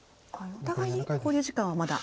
お互いに考慮時間はまだ。